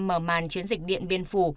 mở màn chiến dịch điện biên phủ